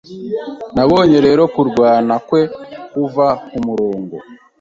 Nabonye rero kurwana kwe kuva kumurongo